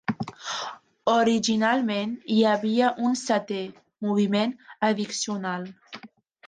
Originalment, hi havia un setè moviment addicional.